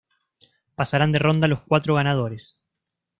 Pasarán de ronda los cuatro ganadores.